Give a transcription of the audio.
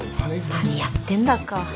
何やってんだか。